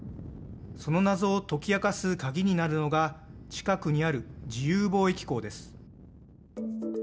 その謎を解き明かす鍵になるのが近くにある自由貿易港です。